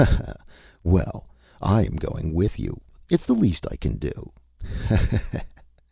ha! Well, I am going with you. ItÂs the least I can do. Ha! ha! ha!